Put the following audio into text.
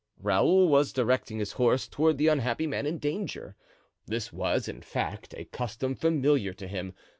Raoul was directing his horse toward the unhappy man in danger. This was, in fact, a custom familiar to him.